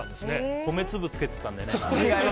米粒つけてたんだよね。